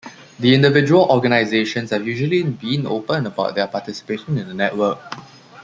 The individual organizations have usually been open about their participation in the network.